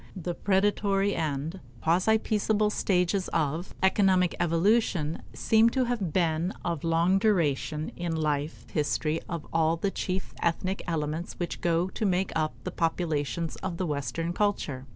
The predatory and quasi peaceable stages of economic evolution seem to have been of long duration in life history of all the chief ethnic elements which go to make up the populations of the Western culture.